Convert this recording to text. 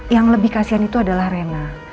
yang lebih kasian itu adalah rena